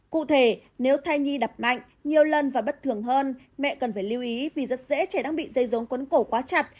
cụ thể nếu thai nhi đập mạnh nhiều lần và bất thường hơn mẹ cần phải lưu ý vì rất dễ trẻ đang bị dây rốn quấn cổ quá chặt